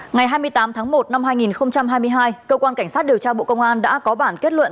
ngày hai mươi tám tháng một năm hai nghìn hai mươi hai cơ quan cảnh sát điều tra bộ công an đã có bản kết luận